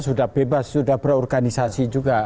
sudah bebas sudah berorganisasi juga